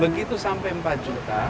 begitu sampai empat juta